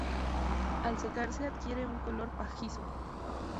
Al secarse adquiere un color pajizo.